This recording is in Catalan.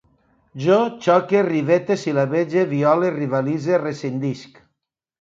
Jo xoque, rivete, sil·labege, viole, rivalitze, rescindisc